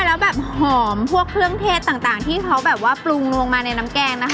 แล้วแบบหอมพวกเครื่องเทศต่างที่เขาแบบว่าปรุงลงมาในน้ำแกงนะคะ